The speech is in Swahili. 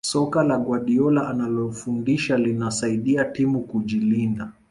soka la guardiola analofundisha linasaidia timu kujilinda